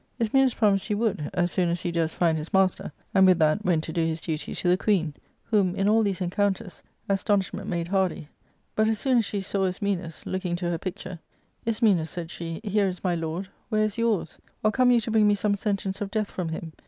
Ismenus promised he would as soon as he durst find his master ; and with that went to do his duty to the queen, whom, in all these encounters, astonishment made hardy ; but as soon as she saw Ismenus (looking to her pic ture), " Ismenus," said she, " here is my lord ; where is yours ? Or come you to bring me some sentence of death from him